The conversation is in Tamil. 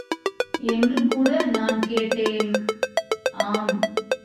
என்று கூட நான் கேட்டேன். ஆம்!